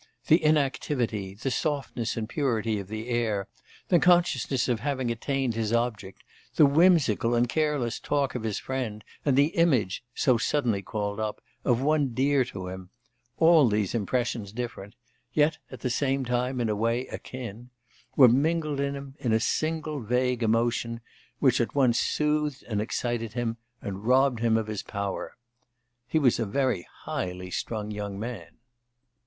The inactivity, the softness and purity of the air, the consciousness of having attained his object, the whimsical and careless talk of his friend, and the image so suddenly called up of one dear to him, all these impressions different yet at the same time in a way akin were mingled in him into a single vague emotion, which at once soothed and excited him, and robbed him of his power. He was a very highly strung young man.